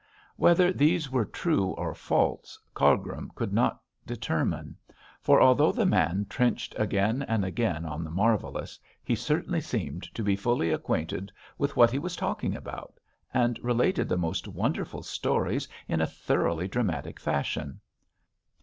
Whether these were true or false Cargrim could not determine; for although the man trenched again and again on the marvellous, he certainly seemed to be fully acquainted with what he was talking about, and related the most wonderful stories in a thoroughly dramatic fashion.